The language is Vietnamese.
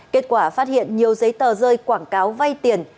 kết quả phát hiện nhiều giấy tờ rơi quảng cáo vay tiền